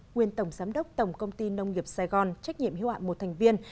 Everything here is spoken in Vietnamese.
nguyên tổng giám đốc tổng công ty nông nghiệp sài gòn trách nhiệm hiệu ạn một thành viên